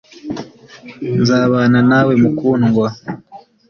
nzabana nawe mukundwa